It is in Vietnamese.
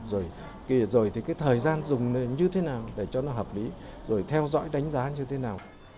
rồi thì cái thời gian dùng như thế nào để cho nó hợp lý rồi theo dõi đánh giá như thế nào